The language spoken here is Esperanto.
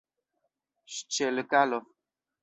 Ŝĉelkalov!